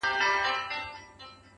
سپوږمۍ هغې ته په زاریو ویل ,